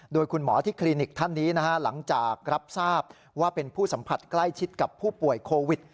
โดยคุณหมอที่คลินิกท่านนี้นะฮะหลังจากรับทราบว่าเป็นผู้สัมผัสใกล้ชิดกับผู้ป่วยโควิด